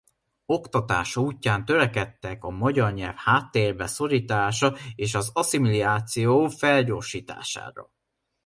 Oktatás útján törekedtek a magyar nyelv háttérbe szorítására és az asszimiláció felgyorsítására.